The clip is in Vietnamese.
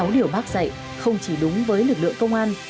sáu điều bác dạy không chỉ đúng với lực lượng công an